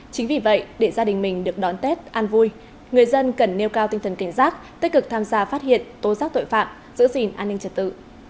chính vì vậy để gia đình mình được đón tết an vui người dân cần nêu cao tinh thần cảnh giác tích cực tham gia phát hiện tố giác tội phạm giữ gìn an ninh trật tự